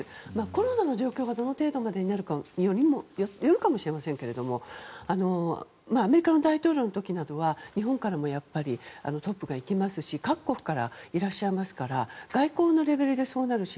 コロナの状況がどの程度になるかにもよりますがアメリカの大統領の時は日本からもトップが行きますし各国からいらっしゃいますから外交のレベルでそうなるし。